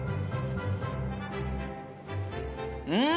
うん！